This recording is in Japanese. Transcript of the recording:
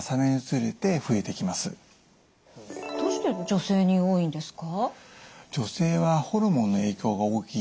どうして女性に多いんですか？